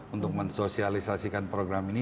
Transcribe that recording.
untuk mensosialisasikan program ini